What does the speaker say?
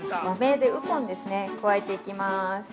ウコンですね、加えていきます。